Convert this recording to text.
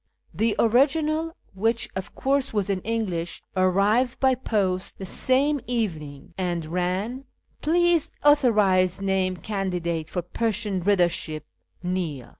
The original, which, of course, was in English, arrived by post the same evening, and ran —" Please authorise name candidate for Persian readership, Neil."